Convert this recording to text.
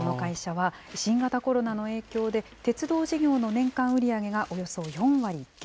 この会社は、新型コロナの影響で、鉄道事業の年間売り上げがおよそ４割減。